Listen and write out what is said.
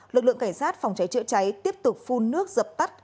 lực lượng cảnh sát phòng cháy chữa cháy tiếp tục phun nước dập tắt